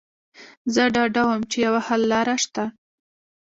زه ډاډه وم چې يوه حللاره شته.